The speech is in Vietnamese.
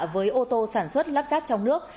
với ô tô sản xuất lắp ráp trong nước